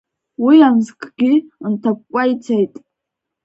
Уи амзкгьы нҭакәкәа ицеит.